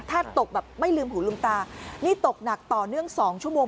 ถ้าตกแบบไม่ลืมหูลืมตานี่ตกหนักต่อเนื่อง๒ชั่วโมง